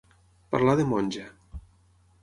Parlar de monja.